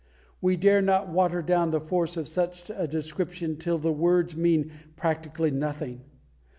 We dare not water down the force of such a description till the words mean practically nothing.